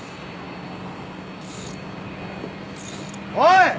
おい！